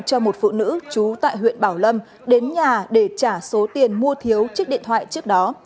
cho một phụ nữ trú tại huyện bảo lâm đến nhà để trả số tiền mua thiếu chiếc điện thoại trước đó